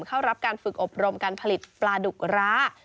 เข้ารับการฝึกอบรมการผลิตปลาดุกร้า